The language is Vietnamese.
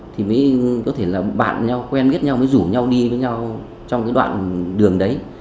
thì mới có thể là bạn nhau quen biết nhau mới rủ nhau đi với nhau trong cái đoạn đường đấy